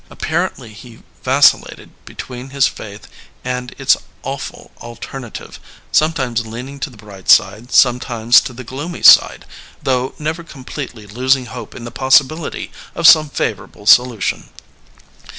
Apparently he vacillated between his faith and its awful alter native, sometimes leaning to the bright side, some times to the gloomy side, though never completely losing hope in the possibility of some favorable solu tion.